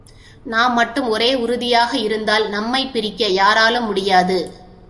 நாம் மட்டும் ஒரே உறுதியாக இருந்தால் நம்மைப் பிரிக்க யாராலும் முடியாது.